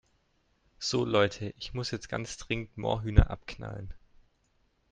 So Leute, ich muss jetzt ganz dringend Moorhühner abknallen.